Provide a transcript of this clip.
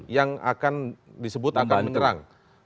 yang akan disebut akan menyerang